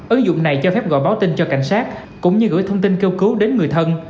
ứng dụng này cho phép gọi báo tin cho cảnh sát cũng như gửi thông tin kêu cứu đến người thân